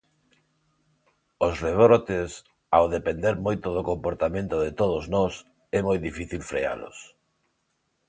Os rebrotes, ao depender moito do comportamento de todos nós, é moi difícil frealos.